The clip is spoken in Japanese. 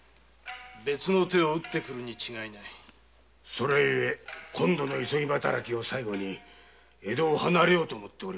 それゆえ今度の急ぎ働きを最後に江戸を離れようと思っております。